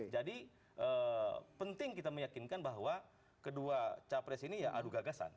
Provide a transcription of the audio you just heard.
jadi penting kita meyakinkan bahwa kedua capres ini ya adu gagasan